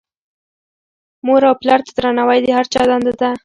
مور او پلار ته درناوی د هر چا دنده ده.